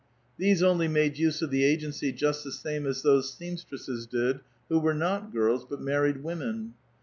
These only made use of the agency just the same as those seamstresses did who were not girls, but married women.